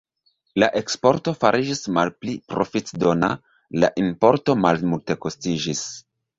La eksporto fariĝis malpli profitdona, la importo malmultekostiĝis.